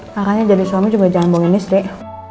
makanya jadi suami juga jangan bongenis dek